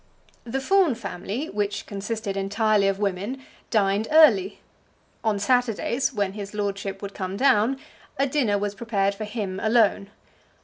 The Fawn family, which consisted entirely of women, dined early. On Saturdays, when his lordship would come down, a dinner was prepared for him alone.